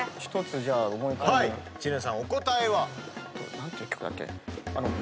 何ていう曲だっけ？